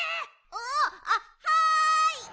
あっはい！